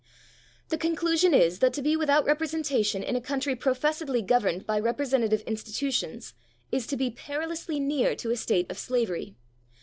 The conclusion is, that to be without representation in a country professedly governed by representative institutions, is to be perilously near to a state of slavery.